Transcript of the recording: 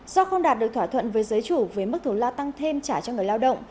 do không đạt được thỏa thuận với giới chủ với mức thủ lo tăng thêm trả cho người lao động